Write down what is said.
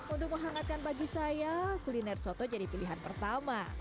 untuk menghangatkan bagi saya kuliner soto jadi pilihan pertama